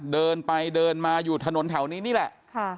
เดินไปเดินมาอยู่ถนนแถวนี้นี่แหละ